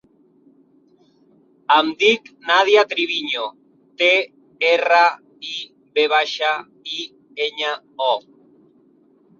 Em dic Nàdia Triviño: te, erra, i, ve baixa, i, enya, o.